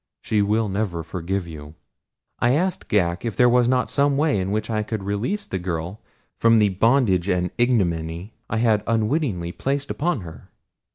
She will never forgive you." I asked Ghak if there was not some way in which I could release the girl from the bondage and ignominy I had unwittingly placed upon her.